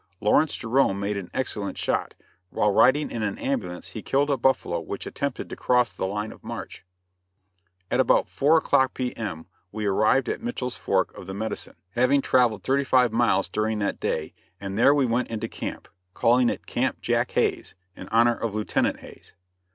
Lawrence Jerome made an excellent shot; while riding in an ambulance he killed a buffalo which attempted to cross the line of march. At about four o'clock P.M., we arrived at Mitchell's Fork of the Medicine, having traveled thirty five miles during that day, and there we went into camp calling it Camp Jack Hayes, in honor of Lieutenant Hayes.